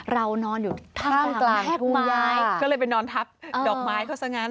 เรานอนอยู่ต้องกลางทุ่งย่าแพทย์ไม้ก็เลยไปนอนทับดอกไม้เขาซะงั้น